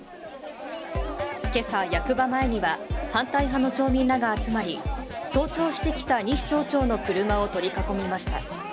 今朝役場前には、反対派の町民らが集まり登庁してきた西町長の車を取り囲みました。